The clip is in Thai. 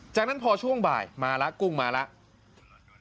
จากนั้นพอช่วงบ่ายมาแล้วกุ้งมาแล้ว